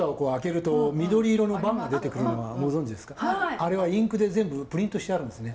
あれはインクで全部プリントしてあるんですね。